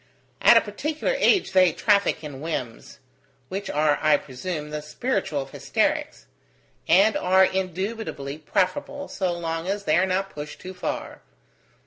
At a particular age they traffic in whims: which are, I presume, the spiritual of hysterics; and are indubitably preferable, so long as they are not pushed too far.